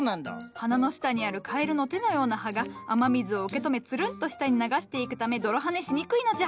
花の下にあるカエルの手のような葉が雨水を受けとめつるんと下に流していくため泥はねしにくいのじゃ。